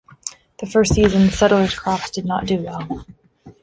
The first season, the settler's crops did not do well.